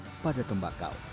bersumber pada tembakau